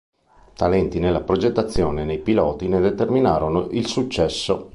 Talenti nella progettazione e nei piloti ne determinarono il successo.